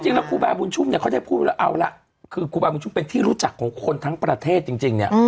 จริงแล้วครูบาบุญชุ่มเค้าได้พูดแล้วเอาละคือครูบาบุญชุ่มเป็นที่รู้จักของคนทั้งประเทศจริงเนี่ย